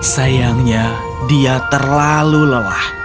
sayangnya dia terlalu lelah